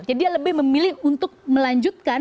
jadi lebih memilih untuk melanjutkan